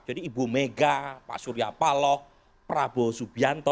jadi ibu mega pak surya paloh prabowo subianto